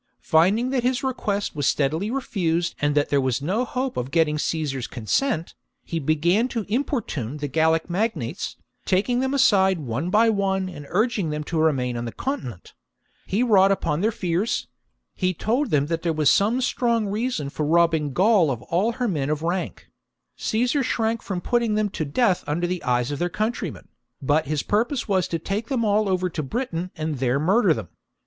Find ing that his request was steadily refused and that there was no hope of getting Caesar's consent, he began to importune the Gallic magnates, taking them aside one by one and urging them to remain on the continent : he wrought upon their fears ; he told them that there was some strong reason for robbing Gaul of all her men of rank ; Caesar shrank from putting them to death under the eyes of their countrymen, but his purpose was to take them all over to Britain and there murder them.